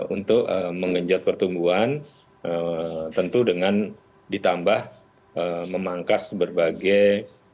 untuk mengenjot pertumbuhan tentu dengan ditambah memangkas berbagai